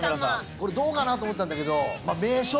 これどうかなと思ったんだけど。